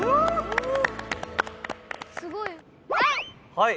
はい！